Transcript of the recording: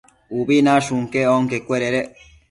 Ubi nashun quec onquecuededec